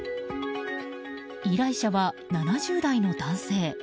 依頼者は７０代の男性。